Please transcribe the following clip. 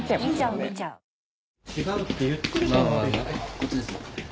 こっちですよ。